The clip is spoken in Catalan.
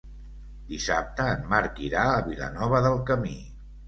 Dissabte en Marc irà a Vilanova del Camí.